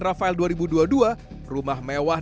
rafael dua ribu dua puluh dua rumah mewah